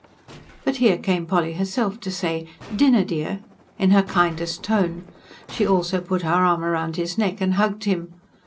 But here came Polly herself to say: "Dinner, dear," in her kindest tone. She also put her arm round his neck and hugged him.